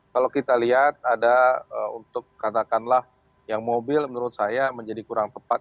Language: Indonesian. kalau kita lihat ada untuk katakanlah yang mobil menurut saya menjadi kurang tepat